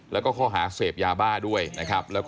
แล้วก็ข้อหาเสพยาบ้าด้วยนะครับ